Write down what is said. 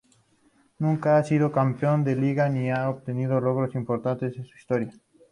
Nunca ha sido campeón de liga ni han obtenido logros importantes en su historia.